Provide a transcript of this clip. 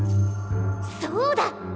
そうだ！